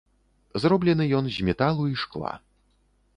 Зроблены ён з металу і шкла.